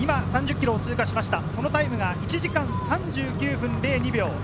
３０ｋｍを通過して、そのタイムは１時間３９分０２秒。